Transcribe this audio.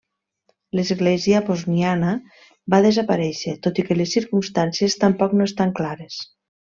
L'Església bosniana va desaparèixer, tot i que les circumstàncies tampoc no estan clares.